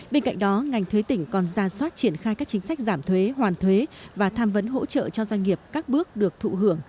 bên cạnh đó ngành thuế tỉnh còn ra soát triển khai các chính sách giảm thuế hoàn thuế và tham vấn hỗ trợ cho doanh nghiệp các bước được thụ hưởng